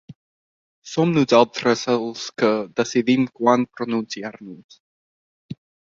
Som nosaltres els que decidim quan pronunciar-nos.